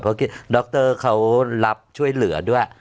เพราะดรเขารับช่วยเหลือด้วย